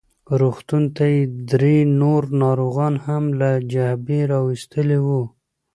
روغتون ته یې درې نور ناروغان هم له جبهې راوستلي وو.